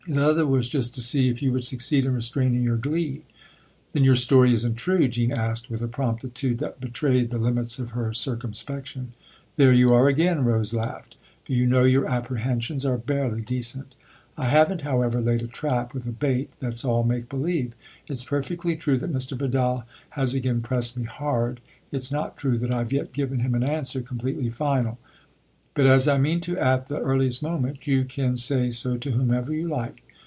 The other was just to see if you would succeed in restraining your glee." " Then your story isn't true ?" Jean asked with a promptitude that betrayed the limits of her cir cumspection. " There you are again !" Rose laughed. " Do you know your apprehensions are barely decent ? I haven't, however, laid a trap with a bait that's all make believe. It's perfectly true that Mr. Vidal has again pressed me hard it's not true that I've yet given him an answer completely final. But as I mean to at the earliest moment, you can say so to whomever you like."